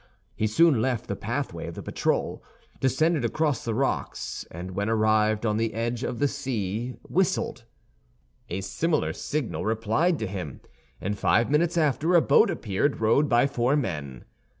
He soon left the pathway of the patrol, descended across the rocks, and when arrived on the edge of the sea, whistled. A similar signal replied to him; and five minutes after, a boat appeared, rowed by four men.